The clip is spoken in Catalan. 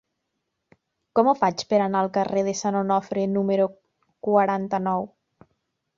Com ho faig per anar al carrer de Sant Onofre número quaranta-nou?